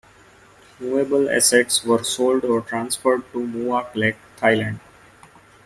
Moveable assets were sold or transferred to Muak Lek, Thailand.